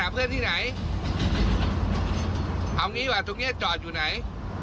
เป็นไง